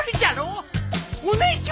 お・ね・しょ！